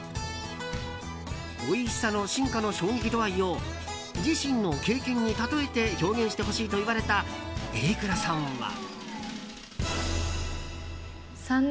おいしさの進化の衝撃度合いを自身の経験に例えて表現してほしいと言われた榮倉さんは。